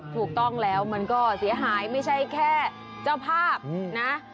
ถูกต้องแล้วมันก็เสียหายไม่ใช่แค่เจ้าภาพนะ